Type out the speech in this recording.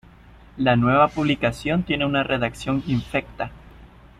La nueva publicación tiene una redacción infecta.